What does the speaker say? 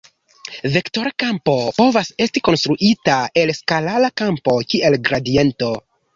Vektora kampo povas esti konstruita el skalara kampo kiel gradiento.